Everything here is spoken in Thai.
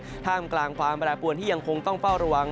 ท่ามกลางความแปรปวนที่ยังคงต้องเฝ้าระวัง